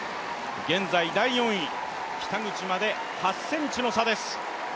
現在第４、北口まで８ｃｍの差です。